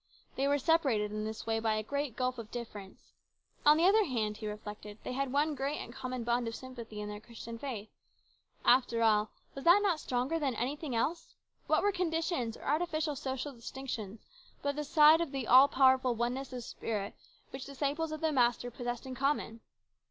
They were separated in this way by a great gulf of difference. On the other hand, he reflected, they had one great and common bond of sympathy in their Christian faith. After all, was not that stronger than anything else? What were conditions or artificial social distinctions by the side of the all powerful oneness of spirit which disciples of the Master possessed in common